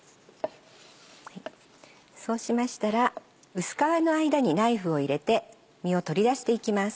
そうしましたら薄皮の間にナイフを入れて実を取り出していきます。